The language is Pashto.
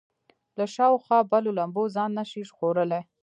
له شاوخوا بلو لمبو ځان نه شي ژغورلی.